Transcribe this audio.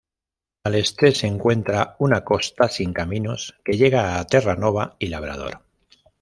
Al este se encuentra una costa sin caminos que llega a Terranova y Labrador.